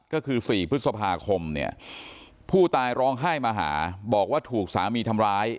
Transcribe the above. ก็คือ๔พฤษภาคมเนี่ยผู้ตายร้องไห้มาหาบอกว่าถูกสามีทำร้าย